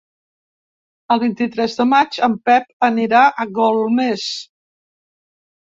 El vint-i-tres de maig en Pep anirà a Golmés.